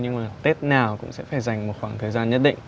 nhưng mà tết nào cũng sẽ phải dành một khoảng thời gian nhất định